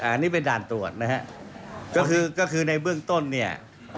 อันนี้เป็นด่านตรวจนะฮะก็คือก็คือในเบื้องต้นเนี่ย